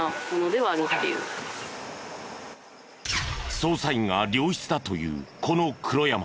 捜査員が良質だと言うこの黒山。